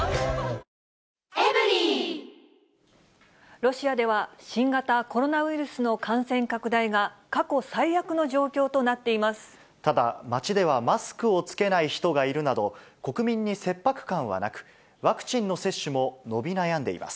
ロシアでは、新型コロナウイルスの感染拡大が、ただ、街ではマスクを着けない人がいるなど、国民に切迫感はなく、ワクチンの接種も伸び悩んでいます。